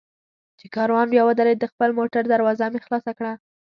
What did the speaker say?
چې کاروان بیا ودرېد، د خپل موټر دروازه مې خلاصه کړه.